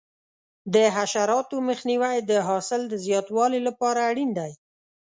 د حشراتو مخنیوی د حاصل د زیاتوالي لپاره اړین دی.